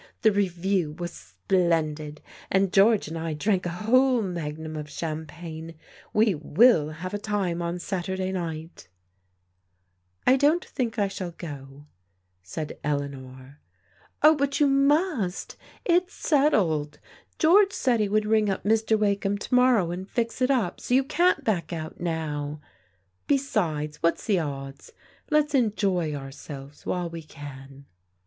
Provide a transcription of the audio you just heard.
"The Revue was splendid, and George and I drank a whole magnum of champagne 1 We wiU have a time on Saturday night I "" I don't think I shall go," said Eleanor. "Oh, but you must. It's settled. George said he would ring up Mr. Wakeham to morrow and fix it up, so you can't back out now. Besides, what's the odds? Let's enjoy ourselves while we can."